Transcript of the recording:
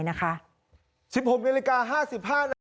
ไว้นะคะ๑๖นิริกา๕๕นาที